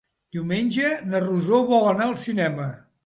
Diumenge na Rosó vol anar al cinema.